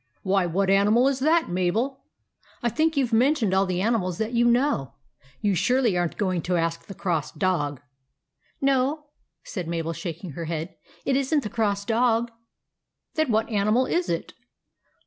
"Why, what animal is that, Mabel? I think you Ve mentioned all the animals that you know. You surely aren't going to ask the Cross Dog." 11 No," said Mabel shaking her head ;" it is n't the Cross Dog." " Then what animal is it?